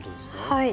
はい。